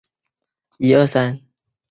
后因资源枯竭而导致失业率上升。